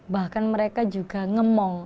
bahkan mereka juga ngemong